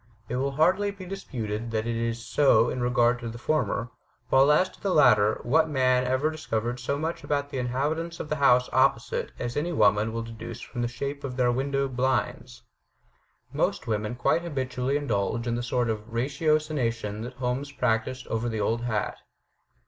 It will hardly be disputed that it is so in regard to the former; while, as to the latter, what man ever discovered as much about the inhabitants of the house opposite as any woman will deduce from the shape of their window blinds. Most women quite habitually indulge in the sort of ratiocination that Holmes practised over the old hat.